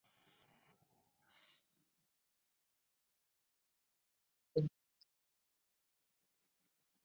Sus personajes incluyeron una de las hermanas Sweeney, junto a Nora Dunn.